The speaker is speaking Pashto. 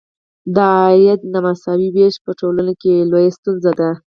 د عاید نامساوي ویش په ټولنو کې یوه لویه ستونزه ده.